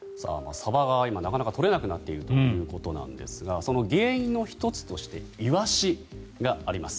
サバが今なかなか取れなくなっているということなんですがその原因の１つとしてイワシがあります。